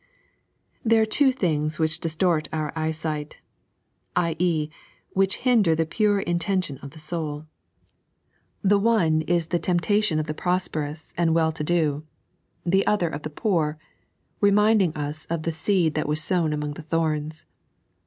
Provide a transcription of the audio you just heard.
THERE are two things which distort our eyesight — i.e., which hinder the pure intention of the soul : the one is the temptation of the prosperous and well to do ; the other of the poor, reminding ns of the seed that was sown among the thorns.